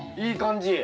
いい感じ。